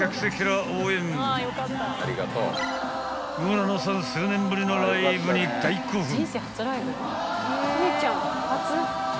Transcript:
［村野さん数年ぶりのライブに大興奮］